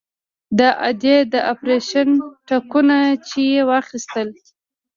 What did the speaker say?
د ادې د اپرېشن ټکونه چې يې واخيستل.